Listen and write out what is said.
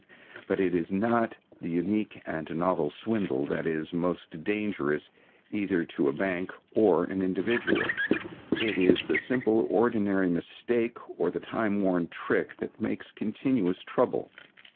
But it is not the unique and novel swindle that is most dangerous, either to a bank or an individual. It is the simple, ordinary mistake or the time worn trick that makes continuous trouble.